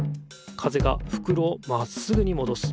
風がふくろをまっすぐにもどす。